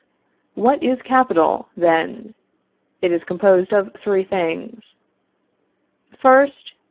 What is capital, then? It is composed of three things: 1st.